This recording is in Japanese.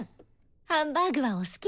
ハンバーグはお好き？